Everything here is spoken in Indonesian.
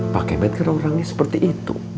pak kemet kan orangnya seperti itu